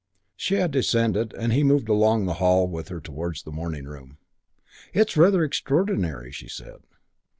She had descended and he moved along the hall with her towards the morning room. "It's rather extraordinary," she said.